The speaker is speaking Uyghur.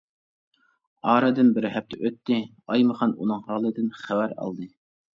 ئارىدىن بىر ھەپتە ئۆتتى، ئايىمخان ئۇنىڭ ھالىدىن خەۋەر ئالدى.